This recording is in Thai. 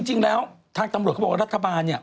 จริงแล้วทางตำรวจเขาบอกว่ารัฐบาลเนี่ย